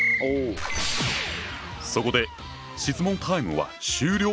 そこで質問タイムは終了！